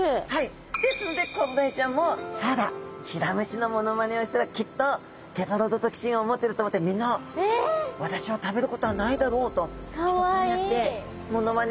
ですのでコロダイちゃんも「そうだヒラムシのモノマネをしたらきっとテトロドトキシンをもってると思ってみんな私を食べることはないだろう」ときっとそうやってモノマネをしてるんですね。